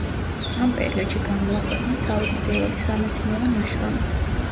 ამ პერიოდში გამოაქვეყნა თავისი პირველი სამეცნიერო ნაშრომი.